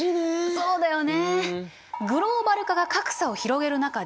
そうだよね。